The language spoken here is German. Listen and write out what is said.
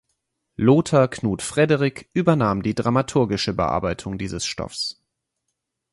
Lothar Knud Frederik übernahm die dramaturgische Bearbeitung dieses Stoffs.